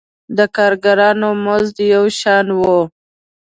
د کارګرانو مزد یو شان و.